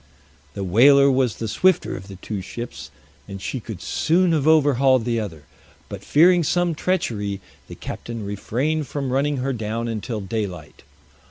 The whaler was the swifter of the two ships, and she could soon have overhauled the other; but fearing some treachery, the captain refrained from running her down until daylight.